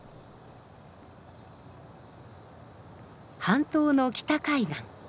半島の北海岸。